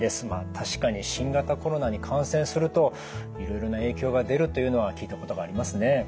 まあ確かに新型コロナに感染するといろいろな影響が出るというのは聞いたことがありますね。